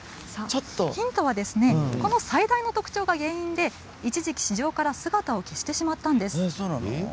ヒントは最大の特徴が原因で一時期、市場から姿を消してしまったんです。